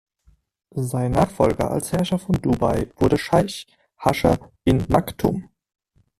Sein Nachfolger als Herrscher von Dubai wurde Scheich Hascher bin Maktum.